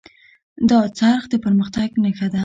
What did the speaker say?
دا څرخ د پرمختګ نښه ده.